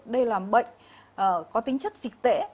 đây là bệnh có tính chất dịch tễ